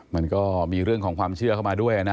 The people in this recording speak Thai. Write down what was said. มันก็มีเรื่องของความเชื่อเข้ามาด้วยนะ